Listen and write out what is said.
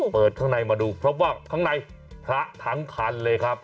เปิดข้างในมาดูเพราะว่าข้างในพระทั้งคันเลยครับ